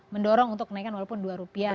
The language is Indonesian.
mendorong untuk kenaikan walaupun dua rupiah